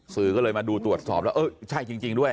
สื่อก็เลยมาดูตรวจสอบแล้วเออใช่จริงด้วย